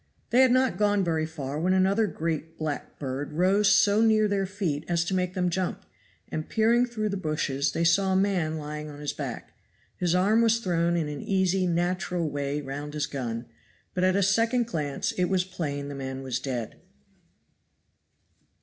They had not gone very far when another great black bird rose so near their feet as to make them jump, and peering through the bushes they saw a man lying on his back. His arm was thrown in an easy, natural way round his gun, but at a second glance it was plain the man was dead.